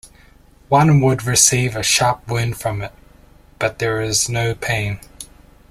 One would receive a sharp wound from it, but there is no pain.